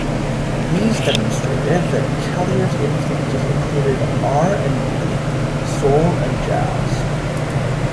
These demonstrated that Callier's influences included R and B, soul and jazz.